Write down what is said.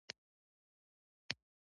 • د شپې یواځیتوب ځینې خلک ژړوي.